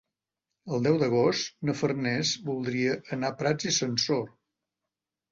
El deu d'agost na Farners voldria anar a Prats i Sansor.